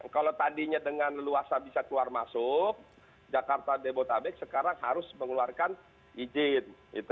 kalau tadinya dengan leluasa bisa keluar masuk jakarta debo tabe sekarang harus mengeluarkan izin